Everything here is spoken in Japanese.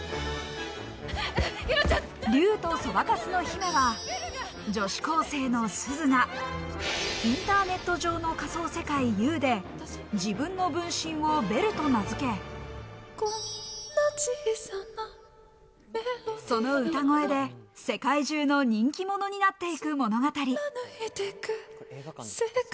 『竜とそばかすの姫』は女子高生のすずが、インターネット上の仮想世界Ｕで、自分の分身をベルと名付け、その歌声で世界中の人気者になっていく物語。